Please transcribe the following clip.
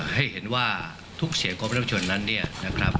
ให้เห็นว่าทุกเสียงของประชาชนนั้นเนี่ยนะครับ